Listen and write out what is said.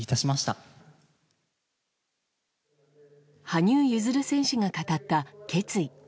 羽生結弦選手が語った決意。